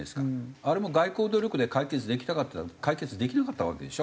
あれも外交努力で解決できたかっていったら解決できなかったわけでしょ。